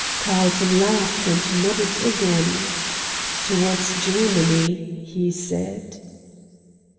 Carlton laughed, and nodded again. "Towards Germany," he said.